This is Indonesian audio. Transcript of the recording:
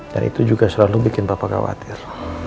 dan itu juga selalu bikin papa khawatir